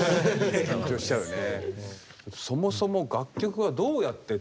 緊張しちゃうよね。